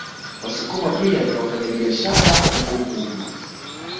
Wasukuma pia ni wafanyabiashara na uvuvi